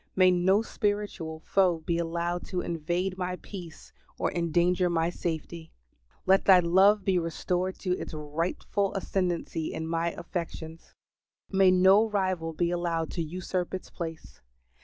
May no spiritual foe be allowed to invade my peace or endanger my safety. Let Thy love be restored to its rightful ascendancy in my affections. May no rival be allowed to usurp its place.